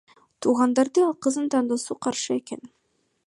Туугандары ал кыздын тандоосуна каршы экен.